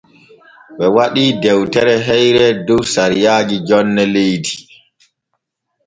Ɓe waɗii dewtere heyre dow sariyaaji jonne leydi.